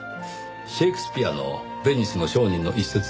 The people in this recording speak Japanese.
シェイクスピアの『ヴェニスの商人』の一説です。